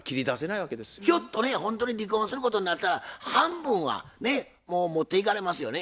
ひょっとねほんとに離婚することになったら半分はねもう持っていかれますよね。